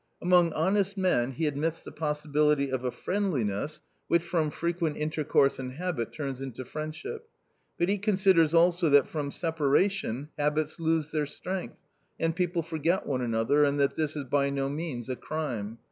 Among honest men he admits the possibility of a friendliness, which from frequent intercourse and habit turns into friendship. But he con siders also that from separation habits lose their strength and people forget one another and that this is by no means a crime.